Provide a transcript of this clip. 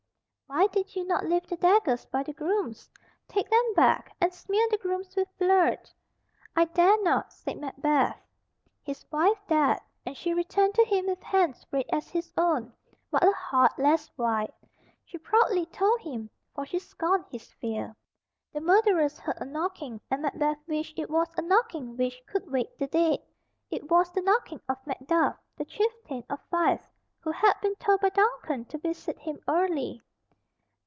"Why did you not leave the daggers by the grooms? Take them back, and smear the grooms with blood." "I dare not," said Macbeth. His wife dared, and she returned to him with hands red as his own, but a heart less white, she proudly told him, for she scorned his fear. The murderers heard a knocking, and Macbeth wished it was a knocking which could wake the dead. It was the knocking of Macduff, the chieftain of Fife, who had been told by Duncan to visit him early.